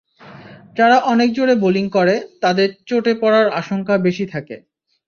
যারা অনেক জোরে বোলিং করে, তাদের চোটে পড়ার আশঙ্কা বেশি থাকে।